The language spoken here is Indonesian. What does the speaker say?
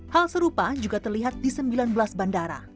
hal serupa juga terlihat di sembilan belas bandara